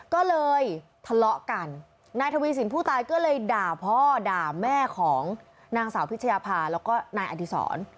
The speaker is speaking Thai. ก็เลยทะเลาะกันนายทวีสินผู้ตายก็เลยด่าพ่อด่าแม่ของนางสาวพิชยาภาแล้วก็นายอดีศร